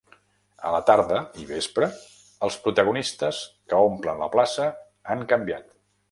A la tarda i vespre, els protagonistes que omplen la plaça han canviat.